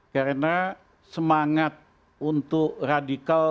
karena semangat untuk radical